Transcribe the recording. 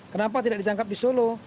kenapa tidak ditangkap di solo